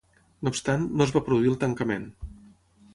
No obstant, no es va produir el tancament.